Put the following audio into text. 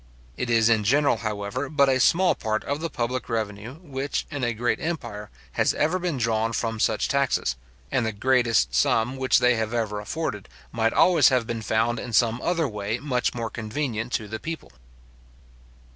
It is in general, however, but a small part of the public revenue, which, in a great empire, has ever been drawn from such taxes; and the greatest sum which they have ever afforded, might always have been found in some other way much more convenient to the people.